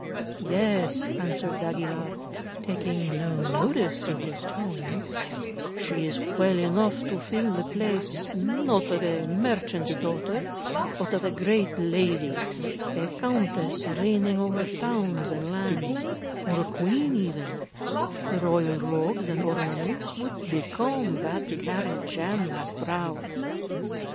"Yes," answered d'Aguilar, taking no notice of his tone, "she is well enough to fill the place, not of a merchant's daughter, but of a great lady—a countess reigning over towns and lands, or a queen even; the royal robes and ornaments would become that carriage and that brow."